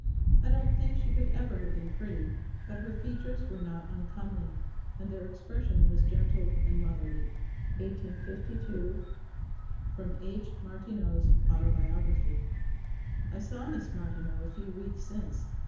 I don't think she could ever have been pretty, but her features were not uncomely, and their expression was gentle and motherly." 1852. [Sidenote: H. Martineau's Autobiography.] "... I saw Miss Martineau a few weeks since.